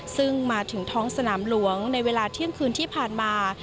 ซึ่งมาถึงท้องสนามหลวงในเวลาเที่ยงคืนที่ผ่านมา